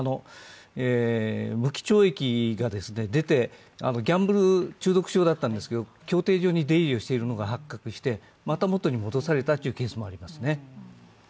無期懲役が出て、ギャンブル中毒症だったんですが、競艇場に出入りしているのが発覚してまた元に戻されたというケースもありますね。